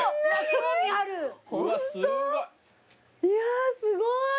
いやーすごい！